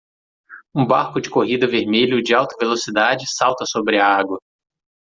Um barco de corrida vermelho de alta velocidade salta sobre a água.